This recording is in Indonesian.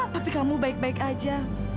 tapi kamu baik baik aja